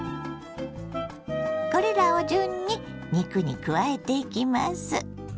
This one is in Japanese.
これらを順に肉に加えていきます。